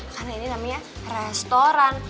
karena ini namanya restoran